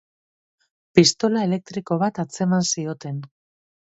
Pistola elektriko bat atzeman zioten.